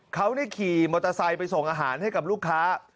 เขาขี่มอเตอร์ไซค์ไปส่งอาหารให้กับลูกค้า